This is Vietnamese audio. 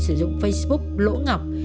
sử dụng facebook lỗ ngọc